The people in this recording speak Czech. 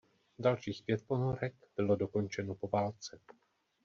Dalších pět ponorek bylo dokončeno po válce.